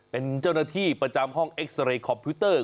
เป็นเจ้าหน้าที่ประจำห้องเอ็กซาเรย์คอมพิวเตอร์